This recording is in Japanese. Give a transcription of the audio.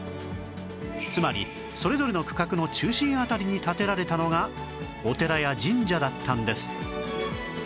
つまりそれぞれの区画の中心辺りに建てられたのがお寺や神社だったんです